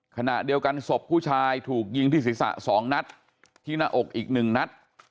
ขณะเดียวกันศพผู้ชายถูกยิงที่ศีรษะ๒นัดที่หน้าอกอีก๑นัด